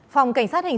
phòng cảnh sát hình sự